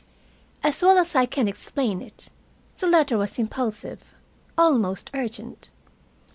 As well as I can explain it, the letter was impulsive, almost urgent.